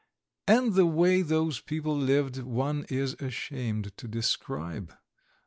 And the way those people lived one is ashamed to describe!